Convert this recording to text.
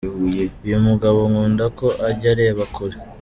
Uyu mugabo nkunda ko ajya areba kure.